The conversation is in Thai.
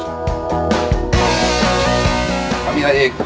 มีอะไรอีก